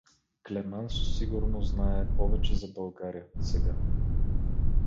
Клемансо сигурно знае повече за България, сега.